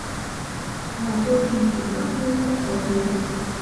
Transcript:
Mà tôi tìm kiếm khắp nơi không có thấy